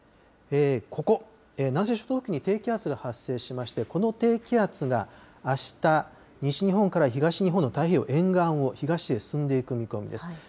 ここ、南西諸島付近に低気圧が発生しまして、この低気圧があした、西日本から東日本の太平洋沿岸を東へ進んでいく見込みです。